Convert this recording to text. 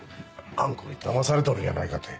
あん子にだまされとるんやないかて。